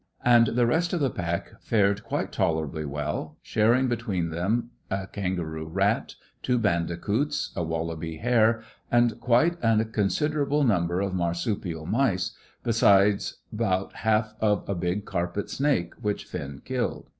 And the rest of the pack fared quite tolerably well, sharing between them a kangaroo rat, two bandicoots, a wallaby hare, and quite a considerable number of marsupial mice, besides about half of a big carpet snake which Finn killed.